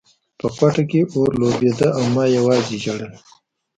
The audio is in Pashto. په کوټه کې اور بلېده او ما یوازې ژړل